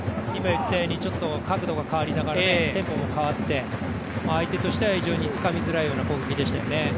ちょっと角度が変わりながらテンポも変わって相手としてはつかみづらいような攻撃でしたね。